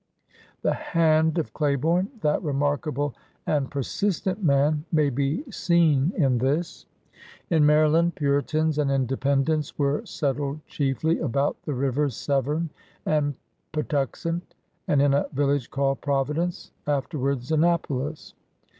The hand of Claiborne, that remarkable and persistent man, may be seen in this. In Maryland, Piuitans and Independents were settled chiefly about the rivers Severn and Patux ent and in a village called Providence, afterwards Annapolis.